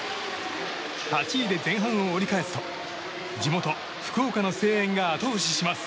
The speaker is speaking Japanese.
８位で前半を折り返すと地元・福岡の声援が後押しします。